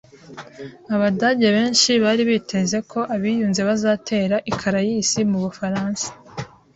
Abadage benshi bari biteze ko Abiyunze bazatera i Calais, mu Bufaransa.